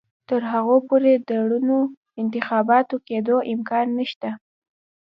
تر هغو پورې د رڼو انتخاباتو کېدو امکان نشته.